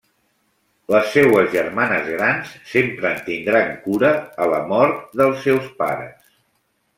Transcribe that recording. Les seues germanes grans sempre en tindran cura a la mort dels seus pares.